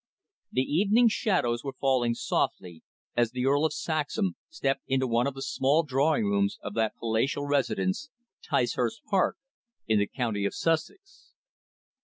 The evening shadows were falling softly as the Earl of Saxham stepped into one of the small drawing rooms of that palatial residence, Ticehurst Park, in the county of Sussex.